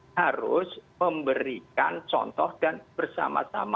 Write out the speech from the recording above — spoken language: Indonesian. harus memberikan contoh dan bersama sama